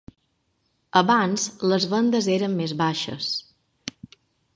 Abans les vendes eren més baixes.